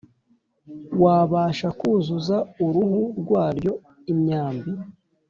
wabasha kuzuza uruhu rwayo imyambi .